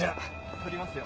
撮りますよ。